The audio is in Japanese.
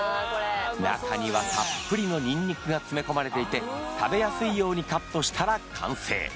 中にはたっぷりのニンニクが詰め込まれていて食べやすいようにカットしたら完成。